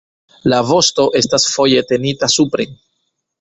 La vosto estas foje tenita supren.